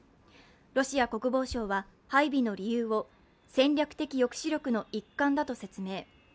ロシア国防省は配備の理由を戦略的抑止力の一環だと説明。